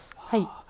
はい。